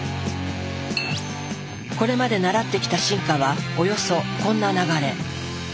これまで習ってきた進化はおよそこんな流れ。